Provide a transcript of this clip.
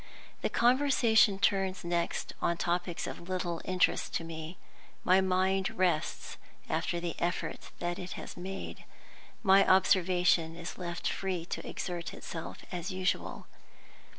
The conversation turns next on topics of little interest to me: my mind rests after the effort that it has made; my observation is left free to exert itself as usual.